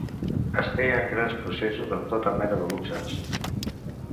Es feien grans processos amb tota mena de luxes.